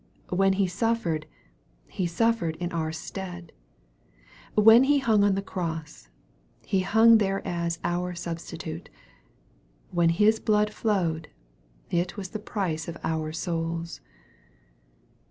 When He suffered, He suffered in our stead. When He hung on the cross, He hung there as our Substitute. When His blood flowed, it was the price of our souls.